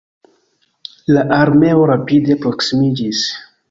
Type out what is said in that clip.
La armeo rapide proksimiĝis.